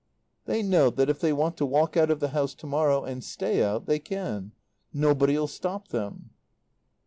"They know that if they want to walk out of the house to morrow, and stay out, they can. Nobody'll stop them."